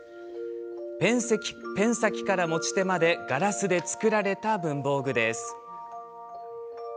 ペン先から持ち手までガラスで作られた文房具です。